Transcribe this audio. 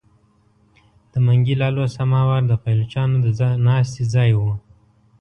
د منګي لالو سماوار د پایلوچانو د ناستې ځای وو.